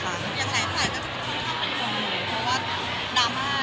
แต่ว่าแบบนี้มันก็เจออีกกี่รอบหรือเปล่า